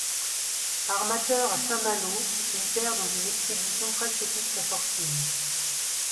Armateur à Saint-Malo, il perd dans une expédition presque toute sa fortune.